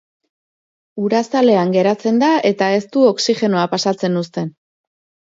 Ur azalean geratzen da, eta ez du oxigenoa pasatzen uzten.